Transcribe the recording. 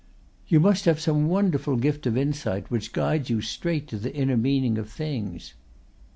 "You must have some wonderful gift of insight which guides you straight to the inner meaning of things."